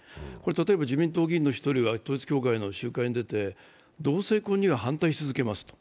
例えば自民党議員の１人は統一教会の集会に出て、同性婚には反対し続けますと。